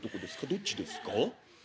どっちですか？」。